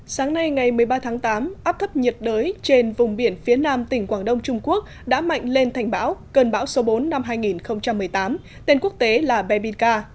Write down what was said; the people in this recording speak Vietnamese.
sáng nay ngày một mươi ba tháng tám áp thấp nhiệt đới trên vùng biển phía nam tỉnh quảng đông trung quốc đã mạnh lên thành bão cơn bão số bốn năm hai nghìn một mươi tám tên quốc tế là bebinca